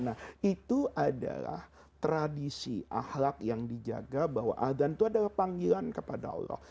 nah itu adalah tradisi ahlak yang dijaga bahwa adhan itu adalah panggilan kepada allah